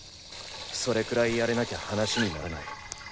それくらいやれなきゃ話にならない。